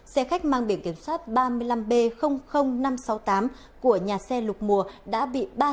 xe khách mang biển kiểm soát ba mươi năm b năm trăm sáu mươi tám của nhà xe lục mùa đã bị